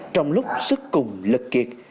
trong lúc sức cùng lực kiệt